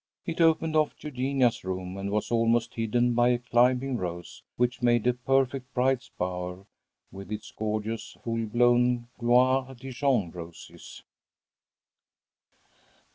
It opened off Eugenia's room, and was almost hidden by a climbing rose, which made a perfect bride's bower, with its gorgeous full blown Gloire Dijon roses.